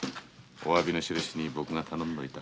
おわびのしるしに僕が頼んどいた。